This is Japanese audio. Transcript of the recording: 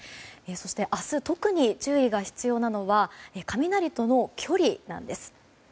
そして、明日特に注意が必要なのは雷との距離なんです。